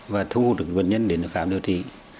và thu được bệnh nhân đến khám điều trị